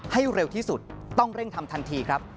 ให้เร็วที่สุดต้องเร่งทำทันทีครับ